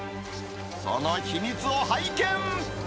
その秘密を拝見。